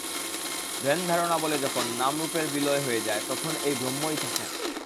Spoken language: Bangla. ধ্যান-ধারণা-বলে যখন নামরূপের বিলয় হয়ে যায়, তখন এক ব্রহ্মই থাকেন।